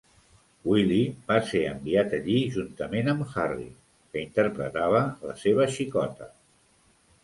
Willie va ser enviat allí juntament amb Harry, que interpretava la seva "xicota".